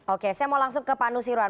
oke saya mau langsung ke pak anu sirwan